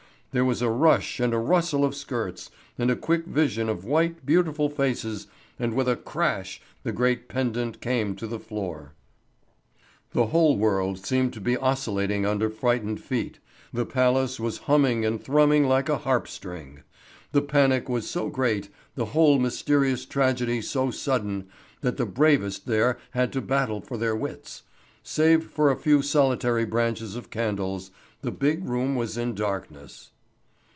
There was a rush and a rustle of skirts, and a quick vision of white, beautiful faces, and with a crash the great pendant came to the floor. [Illustration: A yell proclaimed that one of the great crystal chandeliers was falling.] The whole world seemed to be oscillating under frightened feet, the palace was humming and thrumming like a harpstring. The panic was so great, the whole mysterious tragedy so sudden, that the bravest there had to battle for their wits. Save for a few solitary branches of candles, the big room was in darkness.